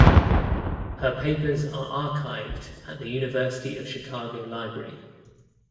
Her papers are archived at the University of Chicago Library.